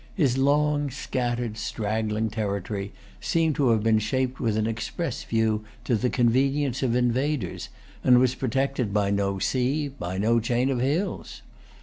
His long, scattered, straggling territory seemed to have been shaped with an express view to the convenience of invaders, and was protected by no sea, by no chain of hills.